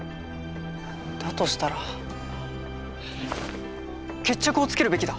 だとしたら決着をつけるべきだ。